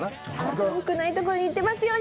寒くないところに行ってますように。